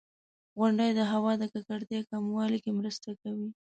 • غونډۍ د هوا د ککړتیا کمولو کې مرسته کوي.